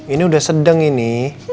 ini udah sedang ini